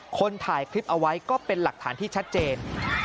คนถ่ายคลิปเอาไว้ก็เป็นหลักฐานที่ชัดเจน